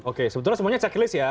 oke sebetulnya semuanya checklist ya